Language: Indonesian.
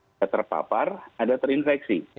ada terpapar ada terinfeksi